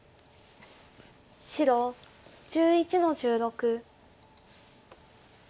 白１１の十六。